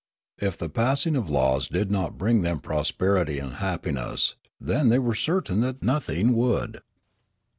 If the passing of laws did not bring them prosperity and happiness, then they were certain that nothing would.